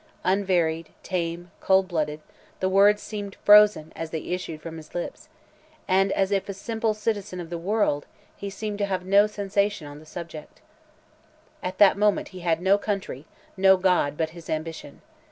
Unvaried, tame, cold blooded, the words seemed frozen as they issued from his lips; and, as if a simple citizen of the world, he seemed to have no sensation on the subject. "At that moment he had no country, no God, but his ambition.